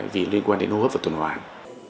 vì liên quan đến hô hấp và tuần hoàng